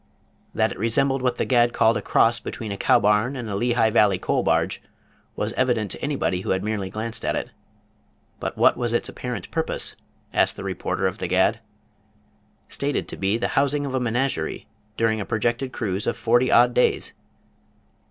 That it resembled what The Gad called a cross between a cow barn and a Lehigh Valley Coal Barge, was evident to anybody who had merely glanced at it. But what was its apparent purpose? asked the reporter of The Gad. Stated to be the housing of a menagerie during a projected cruise of forty odd days!